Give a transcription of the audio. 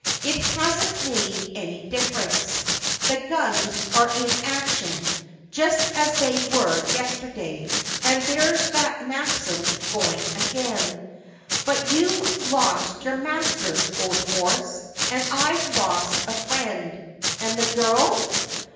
It hasn't made any difference. The guns are in action HIS HORSE, SIR? 167 just as they were yesterday, and there's that Maxim going again. But you've lost your master, old horse ; and I've lost a friend : and the girl